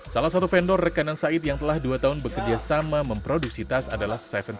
salah satu vendor rekanan said yang telah dua tahun bekerja sama memproduksi tas adalah tujuh sebelas